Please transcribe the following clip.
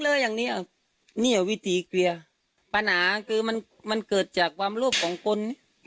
อย่างเนี้ยเนี้ยวิธีเคลียร์ปัญหาคือมันมันเกิดจากความโลภของคน